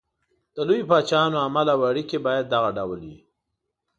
د لویو پاچاهانو عمل او اړېکې باید دغه ډول وي.